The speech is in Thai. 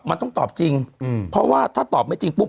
มันต้องตอบจริงเพราะว่าถ้าตอบไม่จริงปุ๊